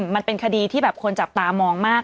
มันเป็นคดีที่แบบคนจับตามองมาก